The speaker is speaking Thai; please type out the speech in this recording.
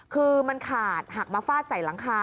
คือมันขาดหักมาฟาดใส่หลังคา